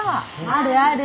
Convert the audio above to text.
あるある。